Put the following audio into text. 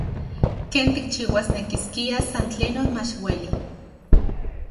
Ken tikchiuasnekiskia san tlen non mach ueli.